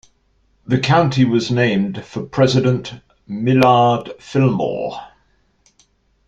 The county was named for President Millard Fillmore.